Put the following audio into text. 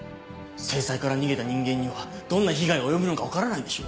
制裁から逃げた人間にはどんな被害が及ぶのか分からないんでしょ？